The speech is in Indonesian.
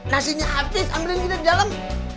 nasinya habis ambilin juga di dalam